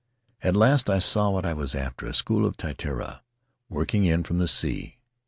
At last I saw what I was after —■ a school of titiara, working in from the sea.